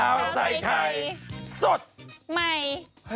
คราวใส่ไทยสดใหม่เยอะ